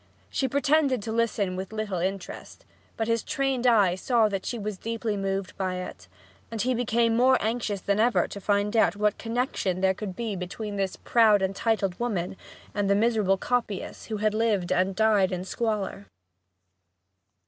She pretended to listen with little interest, but his trained eye saw that she was deeply moved by it, and he became more anxious than ever to find out what connection there could be between this proud and titled woman and the miserable copyist who had lived and died in squalor.